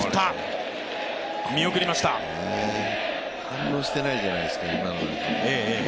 反応してないじゃないですか、今のでも。